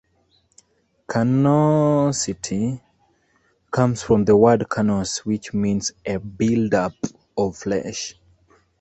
Carnosity comes from the word carnose which means a buildup of flesh.